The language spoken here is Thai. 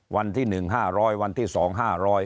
วันที่หนึ่งห้าร้อยวันที่สองห้าร้อย